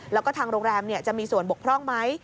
แล้วก็ทางโรงแรมจะมีส่วนบกพร่องไหม